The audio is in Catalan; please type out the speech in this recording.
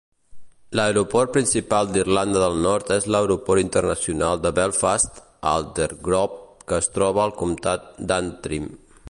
L'aeroport principal d'Irlanda del Nord és l'Aeroport internacional de Belfast, a Aldergrove, que es troba al comtat d'Antrim.